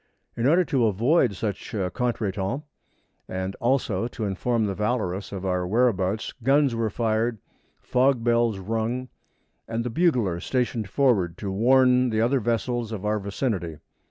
In order to avoid such a contretemps, and also to inform the Valorous of our whereabouts, guns were fired, fog bells rung, and the bugler stationed forward to warn the other vessels of our vicinity.